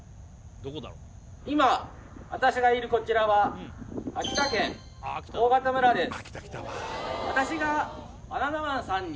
今私がいるこちらは秋田県大潟村です